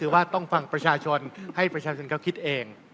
คือว่าต้องฟังประชาชนให้ประชาชนเขาคิดเอง